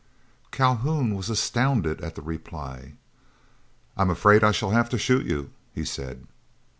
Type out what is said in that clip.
Calhoun was astounded at the reply. "I am afraid I shall have to shoot you," he said.